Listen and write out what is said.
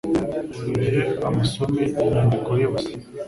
Olivier amusome inyandiko yose